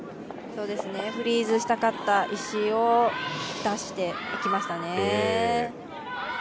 フリーズしたかった石を出していきましたね。